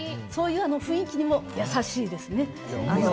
そういう雰囲気にも優しいですね。